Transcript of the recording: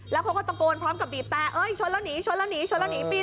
แล้วเขาก็ตะโกนพร้อมกับบีบแต่เอ้ยชนแล้วหนีชนแล้วหนีชนแล้วหนีปีน